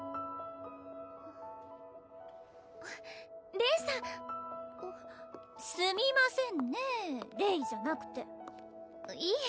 レイさんすみませんねレイじゃなくていえ